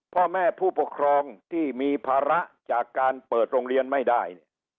พ่อแม่ผู้ปกครองที่มีภาระจากการเปิดโรงเรียนไม่ได้เนี่ย